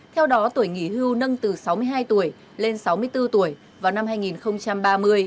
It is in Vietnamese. theo đó tuổi nghỉ hưu nâng từ sáu mươi hai tuổi lên sáu mươi bốn tuổi vào năm hai nghìn ba mươi